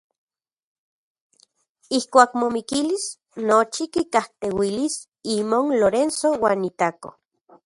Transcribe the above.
Ijkuak momikilis nochi kikajteuilis imon Lorenzo uan itako.